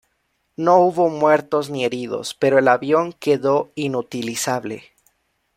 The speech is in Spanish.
No hubo muertos ni heridos, pero el avión quedó inutilizable.